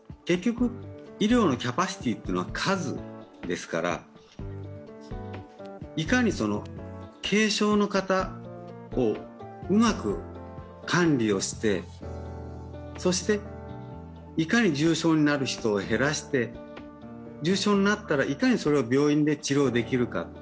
結局、医療のキャパシティーというのは数ですからいかに軽症の方をうまく管理をして、そして、いかに重症になる人を減らして、重症になったら、いかにそれを病院で治療できるか。